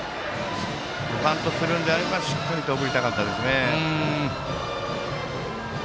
バントするのであればしっかりと送りたかったですね。